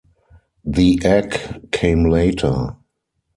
The egg came later.